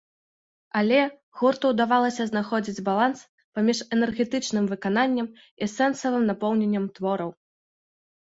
Але гурту ўдавалася знаходзіць баланс паміж энергічным выкананнем і сэнсавым напаўненнем твораў.